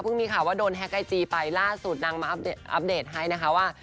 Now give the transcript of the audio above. มีข่าวว่าโดนแฮ็กไอจีไปล่าสุดนางมาอัปเดตให้นะคะว่า